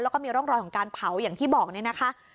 แล้วก็มีร่องรอยของการเผาอย่างที่บอกเนี่ยนะคะ